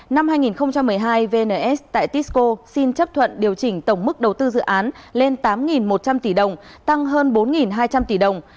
năm hai nghìn một mươi hai vns tại tisco xin chấp thuận điều chỉnh tổng mức đầu tư dự án lên tám một trăm linh tỷ đồng tăng hơn bốn hai trăm linh tỷ đồng